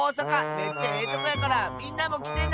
めっちゃええとこやからみんなもきてな！